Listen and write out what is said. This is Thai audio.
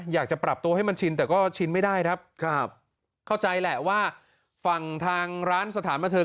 อยากจะปรับตัวให้มันชินแต่ก็ชินไม่ได้ครับครับเข้าใจแหละว่าฝั่งทางร้านสถานบันเทิง